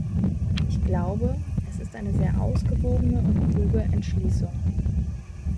Ich glaube, es ist eine sehr ausgewogene und kluge Entschließung.